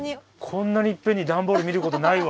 こんなにいっぺんに段ボール見ることないわ。